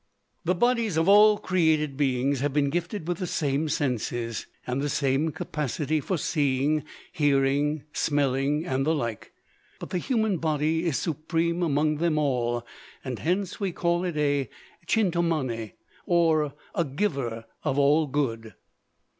The bodies of all created beings have been gifted with the same senses, and the same capacity for seeing, hearing, smelling and the like; but the human body is supreme among them all, and hence we call it a "Chintamani," or a giver of all good.